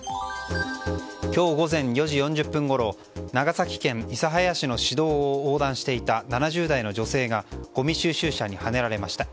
今日午前４時４０分ごろ長崎県諫早市の市道を横断していた７０代の女性がごみ収集車にはねられました。